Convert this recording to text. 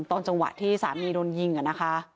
ตอนจังหวะที่สามีโดนยิงนะคะ